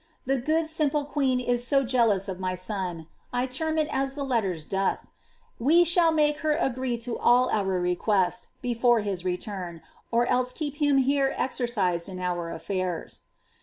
The good, simple queen is so jealous of my sou ^i term it as the letter* doth), we shall make her agree to all our requests before his reiiirn, or else keep him here exercised in our affidra.'